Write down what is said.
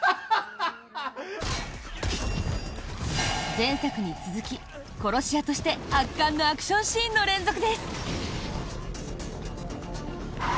前作に続き、殺し屋として圧巻のアクションシーンの連続です。